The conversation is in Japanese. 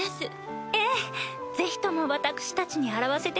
ええぜひとも私たちに洗わせてください。